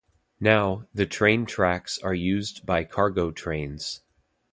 Now, the train tracks are used by cargo trains.